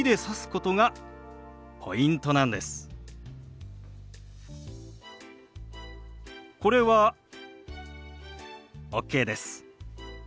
これはＯＫです。